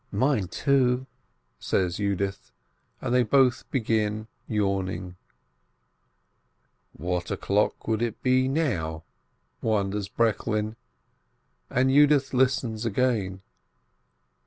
"Mine, too," says Yudith, and they both begin yawn ing. "What o'clock would it be now?" wonders Breklin, and Yudith listens again.